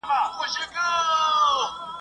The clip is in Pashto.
پر سکروټو مي لیکلي جهاني د غزل توري ..